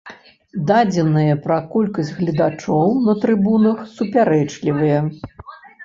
Дадзеныя пра колькасць гледачоў на трыбунах супярэчлівыя.